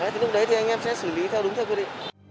thì lúc đấy thì anh em sẽ xử lý theo đúng theo quy định